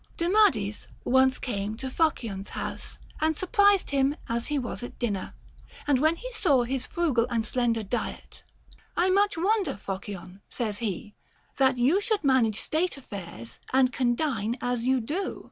Demades once came to Phocion's house and surprised him as he was at dinner ; and when he saw his frugal and slender diet, I much wonder, Phocion, says he, that vou should manage state affairs, and can dine as you do.